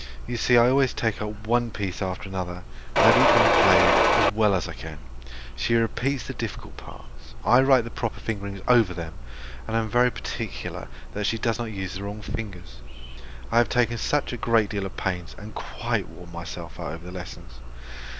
You see I always take up one piece after another, and have each one played as well as I can; she repeats the difficult parts, I write the proper fingering over them, and am very particular that she does not use the wrong fingers. I have taken a great deal of pains, and quite worn myself out over the lessons.